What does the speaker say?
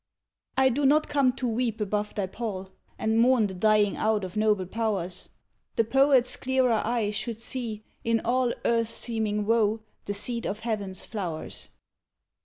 I do not come to weep above thy pall, And mourn the dying out of noble powers; The poet's clearer eye should see, in all Earth's seeming woe, the seed of Heaven's flowers.